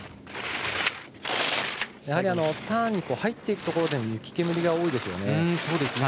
ターンに入っていくところで雪煙が多いですよね。